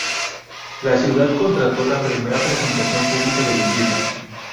La ciudad contrató la primera presentación pública de limpieza.